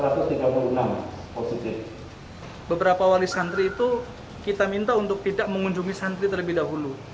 beberapa wali santri itu kita minta untuk tidak mengunjungi santri terlebih dahulu